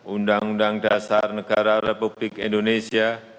undang undang dasar negara republik indonesia